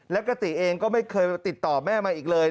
และกติเองก็ไม่เคยติดต่อแม่มาอีกเลย